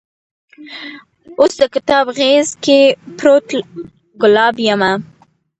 اوس دکتاب غیز کې پروت ګلاب یمه